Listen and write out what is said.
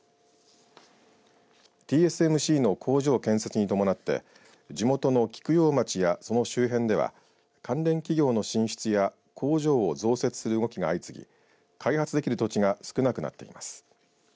ＴＳＭＣの工場建設に伴って地元の菊陽町やその周辺では関連企業の進出や工場を増設する動きが相次ぎ開発できる土地が少なくなっています。